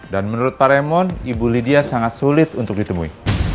dan menurut pak remon ibu lydia sangat sulit untuk ditemui